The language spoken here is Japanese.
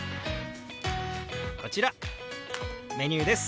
こちらメニューです。